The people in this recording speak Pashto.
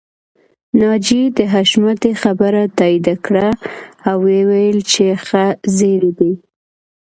ناجيې د حشمتي خبره تاييد کړه او وويل چې ښه زيری دی